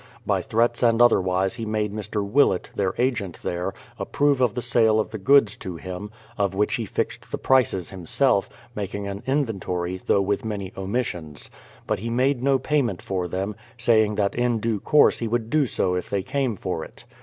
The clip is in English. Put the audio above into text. By threats and otherwise he made Mr. Willett, their agent there, approve of the sale of the goods to him, of which he fixed the prices himself, making an inventory, though with many omissions. But he made no payment for them, saying that in due course he would do so if they came for it.